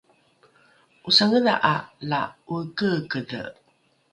’osangedha’a la ’oekeekedhe